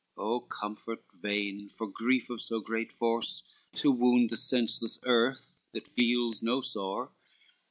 Oh comfort vain for grief of so great force, To wound the senseless earth that feels no sore!